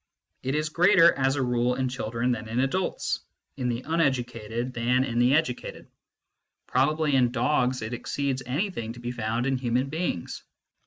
It is greater, as a rule, in children than in adults, in the uneducated than in the educated. 16 MYSTICISM AND LOGIC Probably in dogs it exceeds anything to be found in human beings.